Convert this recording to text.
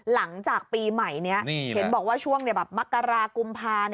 หลังจากปีใหม่นี้เห็นบอกว่าช่วงมกรากุมภา